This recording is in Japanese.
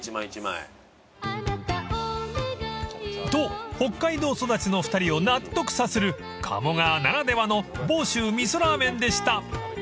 ［と北海道育ちの２人を納得させる鴨川ならではの房州味噌ラーメンでした］